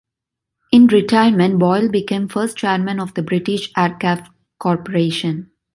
In retirement Boyle became Vice-Chairman of the British Aircraft Corporation.